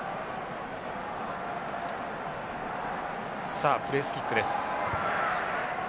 さあプレースキックです。